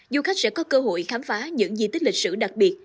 du khách sẽ có cơ hội khám phá những di tích lịch sử đặc biệt